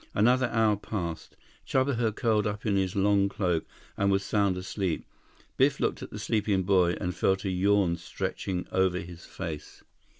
Another hour passed. Chuba had curled up in his long cloak, and was sound asleep. Biff looked at the sleeping boy, and felt a yawn stretching over his face.